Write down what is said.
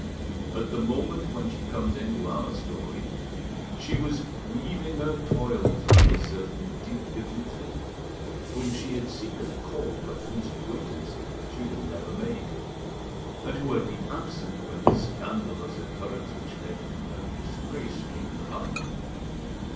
At the moment when she comes into our story she was weaving her toils round a certain Duc de Vitry, whom she had seen at court, but whose acquaintance she had never made, and who had been absent when the scandalous occurrence which led to her disgrace came to light.